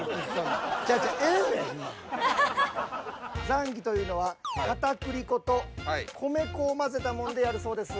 ザンギというのは片栗粉と米粉を混ぜたもんでやるそうです。